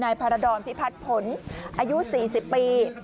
นายพารดรพิพัดผลอายุ๔๐ปี